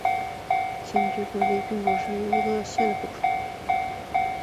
县治恩波里亚并不是县的一部分。